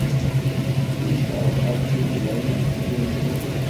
Isserqas Lubnan am tgenduzt.